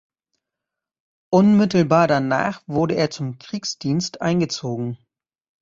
Unmittelbar danach wurde er zum Kriegsdienst eingezogen.